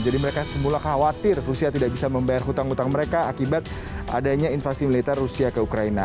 jadi mereka semula khawatir rusia tidak bisa membayar hutang hutang mereka akibat adanya invasi militer rusia ke ukraina